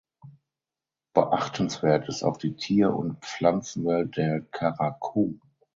Beachtenswert ist auch die Tier- und Pflanzenwelt der Karakum.